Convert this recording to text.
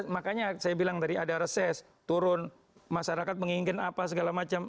makanya saya bilang tadi ada reses turun masyarakat menginginkan apa segala macam